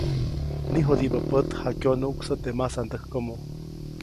Niʼjudibä pät jakyonuʼksä teʼ masandäjkomo.